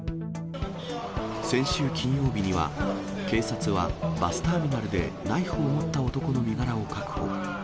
先週金曜日には、警察はバスターミナルでナイフを持った男の身柄を確保。